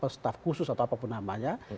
staff khusus atau apapun namanya